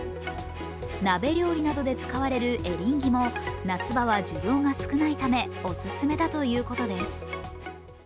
鍋料理などで使われるエリンギも夏場は需要が少ないためオススメだということです。